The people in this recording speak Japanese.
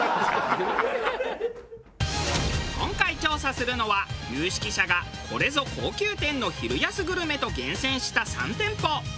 今回調査するのは有識者がこれぞ高級店の昼安グルメと厳選した３店舗。